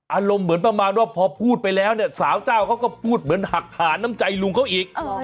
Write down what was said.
อารมณ์เหมือนประมาณว่าพอพูดไปแล้วเนี่ยสาวเจ้าเขาก็พูดเหมือนหักผ่านน้ำใจลุงเขาอีก